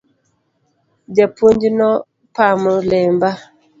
Ja puonj no pamo lemba.